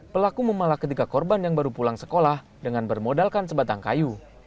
pelaku memalak ketiga korban yang baru pulang sekolah dengan bermodalkan sebatang kayu